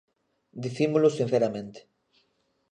Dicímolo sinceramente.